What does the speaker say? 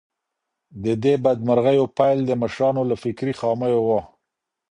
د دې بدمرغيو پیل د مشرانو له فکري خامیو و.